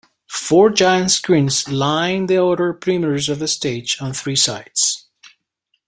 Four giant screens lined the outer perimeter of the stage, on three sides.